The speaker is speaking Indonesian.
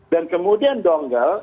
dan kemudian donggel